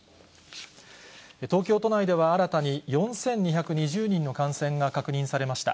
東京都内では新たに４２２０人の感染が確認されました。